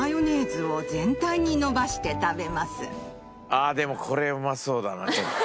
ああーでもこれうまそうだなちょっと。